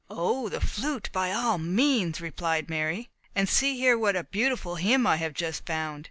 "Oh, the flute, by all means!" Mary replied. "And see here what a beautiful hymn I have just found!"